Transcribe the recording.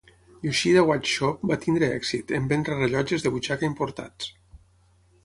Yoshida Watch Shop va tenir èxit, en vendre rellotges de butxaca importats.